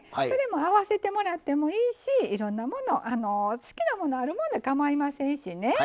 それも合わせてもらってもいいしいろんなもの好きなものあるもんでかまいませんしね。